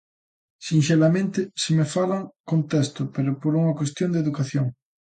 Sinxelamente, se me falan, contesto, pero por unha cuestión de educación.